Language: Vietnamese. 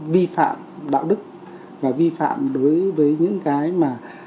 vi phạm đạo đức và vi phạm đối với những cái mà